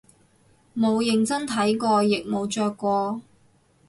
冇認真睇過亦冇着過